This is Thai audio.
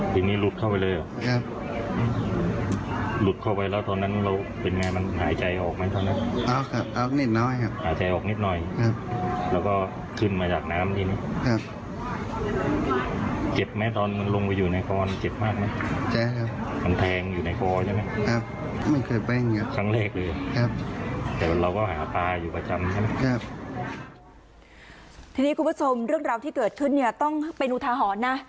ทีนี้คุณผู้ชมเรื่องราวที่เกิดขึ้นเนี่ยต้องเป็นอุทาหรณ์นะ